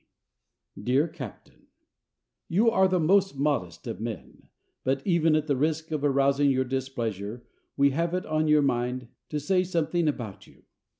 DEAR CAPTAIN: You are the most modest of men, but even at the risk of arousing your displeasure we have it on our mind to say something about you.